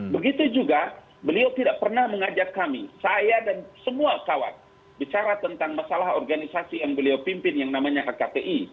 begitu juga beliau tidak pernah mengajak kami saya dan semua kawan bicara tentang masalah organisasi yang beliau pimpin yang namanya hkti